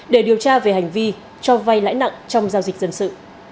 để điều tra về hành vi cho vay lãi nặng trong giao dịch dân sự